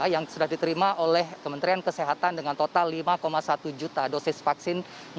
yang sudah diterima oleh kementerian kesehatan dengan total lima satu juta dosis vaksin